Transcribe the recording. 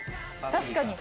確かに。